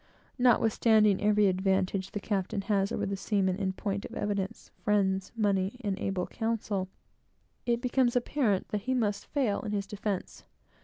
Notwithstanding every advantage the captain has over the seaman in point of evidence, friends, money, and able counsel, it becomes apparent that he must fail in his defence.